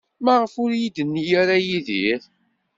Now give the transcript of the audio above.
Maɣef ur iyi-d-yenni ara Yidir?